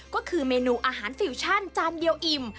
ก็คือเมนูอาหารฟิวชั่นจานเดียวอิ่ม